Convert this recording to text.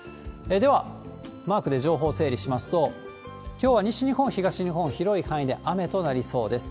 では、マークで情報整理しますと、きょうは西日本、東日本、広い範囲で雨となりそうです。